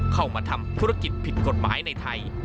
เข้ามาทำธุรกิจผิดกฎหมายในไทย